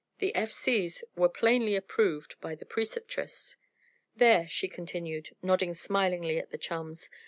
The F. C.'s were plainly approved by the Preceptress. "There!" she continued, nodding smilingly at the chums.